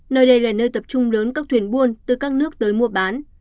nơi đây là nơi tập trung lớn các thuyền buôn từ các nước tới mua bán